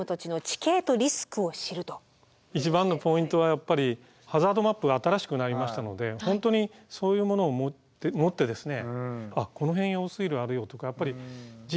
一番のポイントはやっぱりハザードマップが新しくなりましたので本当にできそうですね。